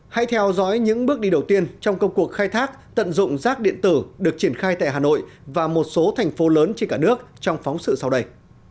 hãy theo dõi những bước đi đầu tiên trong công cuộc khai thác tận dụng rác điện tử được triển khai tại hà nội và một số thành phố lớn trên cả nước trong phóng sự sau đây